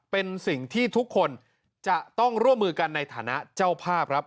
เป็นสิ่งที่ทุกคนจะต้องร่วมมือกันในฐานะเจ้าภาพครับ